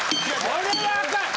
これはアカン！